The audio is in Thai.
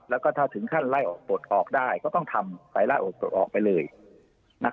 แล้วก็ถ้าถึงขั้นไล่ออกปลดออกได้ก็ต้องทำไปไล่ออกไปเลย